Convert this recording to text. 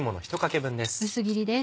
薄切りです。